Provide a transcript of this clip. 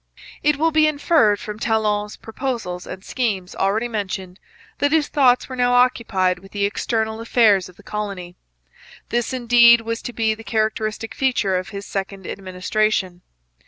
It will be inferred from Talon's proposals and schemes already mentioned that his thoughts were now occupied with the external affairs of the colony. This indeed was to be the characteristic feature of his second administration.